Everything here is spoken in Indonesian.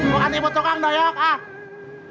bukan tipu tukang doy ya kak